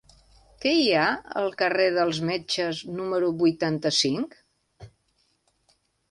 Què hi ha al carrer dels Metges número vuitanta-cinc?